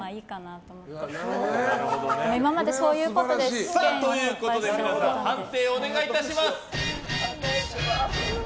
ということで皆さん判定をお願いします。